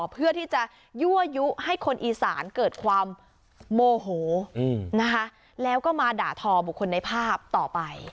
เพื่อที่จะยั่วยุให้คนอีสานเกิดความโมโหนะคะแล้วก็มาด่าทอบุคคลในภาพต่อไป